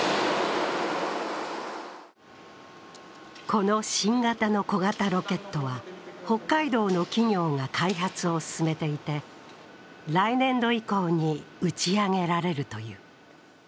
この新型の小型ロケットは、北海道の企業が開発を進めていて、来年度以降に打ち上げられるという。